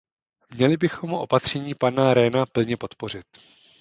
Měli bychom opatření pana Rehna plně podpořit.